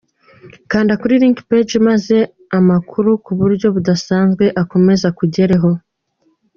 Kanda kuri "Like Page" maze amakuru kuburyo budasanzwe akomeze akugereho.